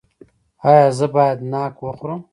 ایا زه باید ناک وخورم؟